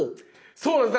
そうなんです。